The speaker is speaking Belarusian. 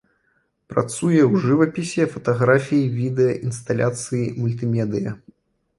Працуе ў жывапісе, фатаграфіі, відэа, інсталяцыі, мультымедыя.